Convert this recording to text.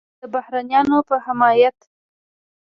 د بهرنیانو په حمایت